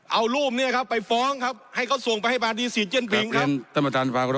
เอารูปนี้ครับไปฟ้องครับให้เขาส่งไปให้บานดีซีเจียนพิงครับ